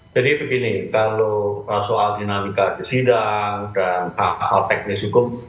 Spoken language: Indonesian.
jadi begini kalau soal dinamika sidang dan hal teknis hukum